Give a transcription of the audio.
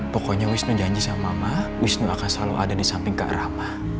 pokoknya wisnu janji sama mama wisnu akan selalu ada di samping ke arafah